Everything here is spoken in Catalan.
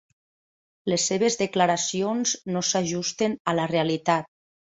Les seves declaracions no s'ajusten a la realitat.